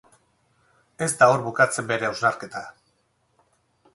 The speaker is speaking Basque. Ez da hor bukatzen bere hausnarketa.